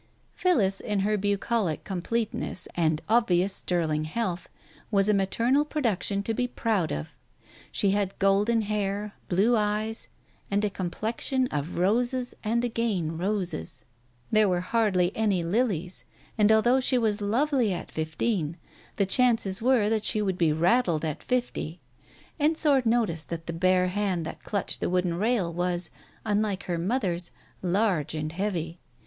Phillis, in her bucolic completeness and obvious ster ling health, was a maternal production to be proud of. She had golden hair, blue eyes and a complexion of roses and again roses. There were hardly any lilies, and although she was lovely at fifteen, the chances were that she would be raddled at fifty. Ensor noticed that the bare hand that clutched the wooden rail was, unlike her mother's, large and heavy.